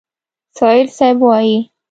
سایل صیب وایي: